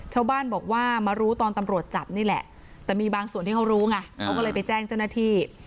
ชาวบ้านบอกว่ามารู้ตอนตำรวจจับนี่แหละแต่มีบางส่วนที่เขารู้ไงเขาก็เลยไปแจ้งเจ้าหน้าที่